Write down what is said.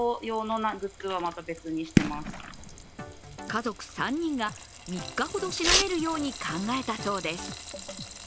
家族３人が３日ほどしのげるように考えたそうです。